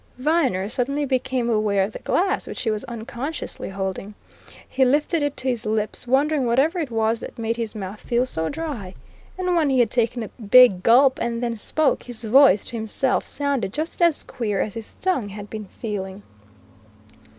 Viner suddenly became aware of the glass which he was unconsciously holding. He lifted it to his lips, wondering whatever it was that made his mouth feel so dry. And when he had taken a big gulp, and then spoke, his voice to himself sounded just as queer as his tongue had been feeling.